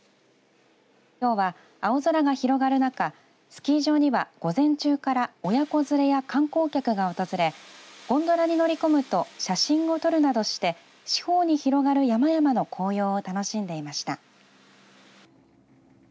きょうは青空が広がる中スキー場には午前中から親子連れや観光客が訪れゴンドラに乗り込むと写真を撮るなどして四方に広がる山々の紅葉を楽しんでいました。